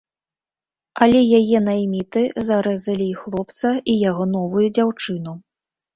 Але яе найміты зарэзалі і хлопца, і яго новую дзяўчыну.